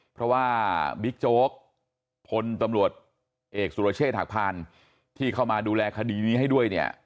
เพราะว่าบิ๊กโจ๊กพลตำรวจเอกสุรเชษฐหักพานที่เข้ามาดูแลคดีนี้ให้ด้วยเนี่ย